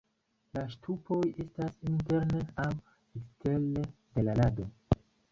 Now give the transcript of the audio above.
La ŝtupoj estas interne aŭ ekstere de la rado.